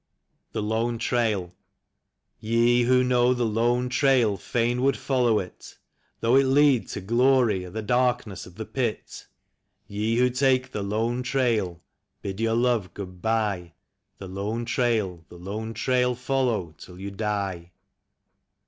28 THE LONE TRAIL. YE who Tcnow the Lone Trail fain ivould follow it. Though it lead to glory or the darkness of the pit. Ye who take the Lone Trail, hid your love good bye; The Lone Trail, the Lone Trail follow till you die.